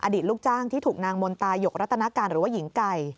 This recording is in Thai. ลูกจ้างที่ถูกนางมนตายกรัตนาการหรือว่าหญิงไก่